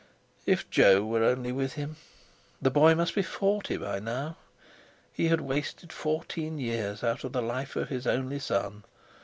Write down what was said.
If Jo were only with him! The boy must be forty by now. He had wasted fourteen years out of the life of his only son.